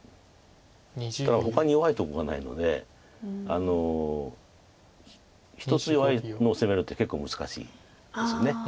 ただほかに弱いところがないので１つ弱いのを攻めるって結構難しいですよね。